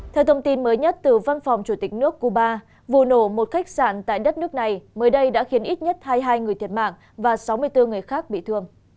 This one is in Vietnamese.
theo thông tin mới nhất từ văn phòng chủ tịch nước cuba vụ nổ một khách sạn tại đất nước này mới đây đã khiến ít nhất hai mươi hai người thiệt mạng và sáu mươi bốn người khác bị thương